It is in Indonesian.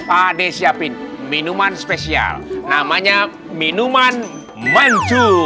pakde siapkan minuman spesial namanya minuman mancu